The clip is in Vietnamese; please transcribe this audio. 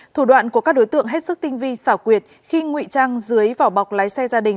thủ đoạn của các đối tượng hết sức tinh vi xảo quyệt khi ngụy trang dưới vỏ bọc lái xe gia đình